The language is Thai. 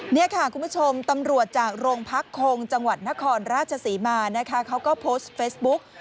นี่ค่ะคุณผู้ชมตำรวจจากโรงพักคงจังหวัดนครราชศรีมานะคะเขาก็โพสต์เฟซบุ๊ก